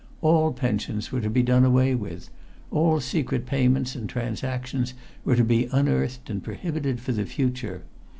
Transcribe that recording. All pensions were to be done away with. All secret payments and transactions were to be unearthed and prohibited for the future.